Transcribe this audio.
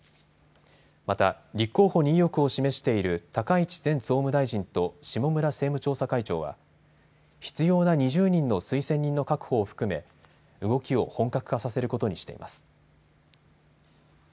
また立候補に意欲を示している高市前総務大臣と下村政務調査会長は必要な２０人の推薦人の確保を含め動きを本格化させることにしています。